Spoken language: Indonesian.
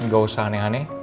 gak usah aneh aneh